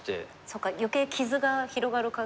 そうか余計傷が広がる。